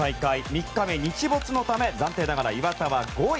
３日目、日没のため暫定ながら岩田は５位。